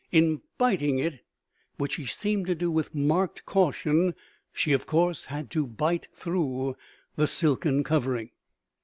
In biting it, which she seemed to do with marked caution, she of course had to bite through the silken covering.